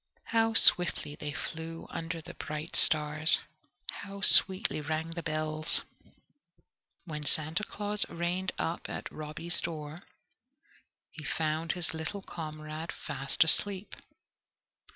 How swiftly they flew under the bright stars! How sweetly rang the bells! When Santa Claus reined up at Robby's door, he found his little comrade fast asleep.